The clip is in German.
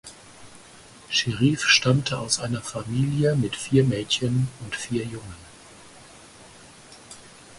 Sherif stammte aus einer Familie mit vier Mädchen und vier Jungen.